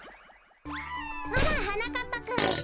あらはなかっぱくん。